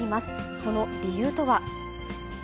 その理由とは。